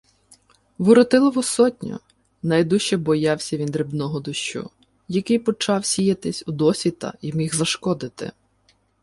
Воротилову сотню. Найдужче боявся він дрібного дощу, який почав сіятись удосвіта й міг зашкодити.